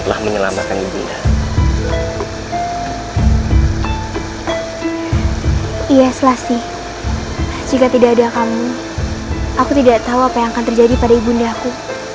saya tidak tahu apa yang akan terjadi pada ibundaku